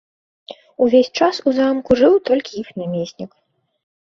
Увесь час у замку жыў толькі іх намеснік.